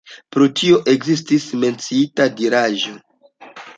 Pro tio ekestis menciita diraĵo.